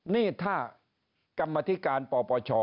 นี่ถ้ากรรมธิการปปช